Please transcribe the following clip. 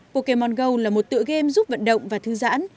pokemon go là một tựa game giúp vận động và thư giãn